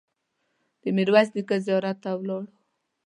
د میرویس نیکه زیارت ته ولاړو.